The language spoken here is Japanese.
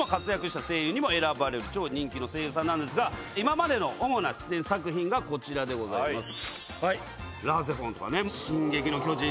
超人気の声優さんなんですが今までの主な出演作品がこちらでございます。